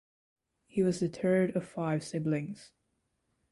He was the third of five siblings.